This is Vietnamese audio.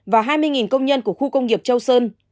và hai mươi công nhân của khu công nghiệp châu sơn